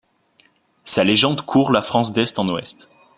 Sa légende court la France d'Est en Ouest.